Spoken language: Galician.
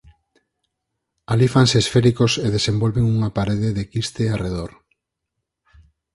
Alí fanse esféricos e desenvolven unha parede de quiste arredor.